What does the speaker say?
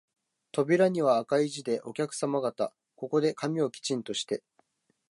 扉には赤い字で、お客さま方、ここで髪をきちんとして、